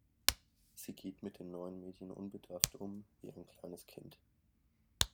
Sie geht mit den neuen Medien unbedarft um, wie ein kleines Kind.